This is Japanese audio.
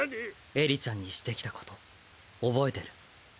エリちゃんにしてきた事覚えてる？